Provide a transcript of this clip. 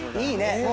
いいね。